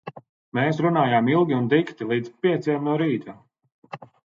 Mēs runājām ilgi un dikti, līdz pieciem no rīta.